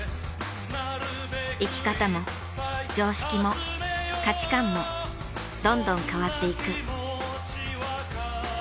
生き方も常識も価値観もどんどん変わっていく。